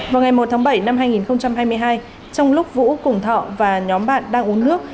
vào ngày một tháng bảy năm hai nghìn hai mươi hai trong lúc vũ cùng thọ và nhóm bạn đang uống nước